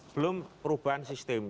belum perubahan sistem